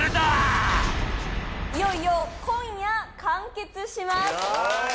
いよいよ今夜完結しますおおっ！